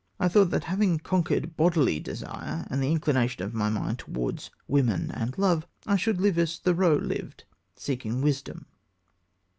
I thought that, having conquered bodily desire and the inclination of my mind towards women and love, I should live as Thoreau lived, seeking wisdom.